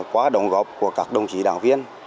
qua đồng góp của các đồng chí đảng viên